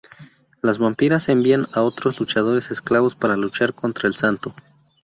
Las vampiras envían a otros luchadores esclavos para luchar contra el Santo.